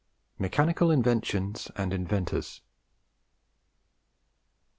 MECHANICAL INVENTIONS AND INVENTORS.